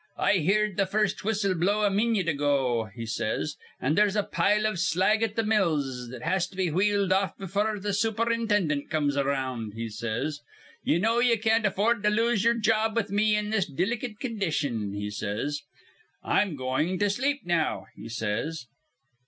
'I heerd th' first whistle blow a minyit ago,' he says; 'an' there's a pile iv slag at th' mills that has to be wheeled off befure th' sup'rintindint comes around,' he says. 'Ye know ye can't afford to lose ye'er job with me in this dilicate condition,' he says. 'I'm going to sleep now,' he says.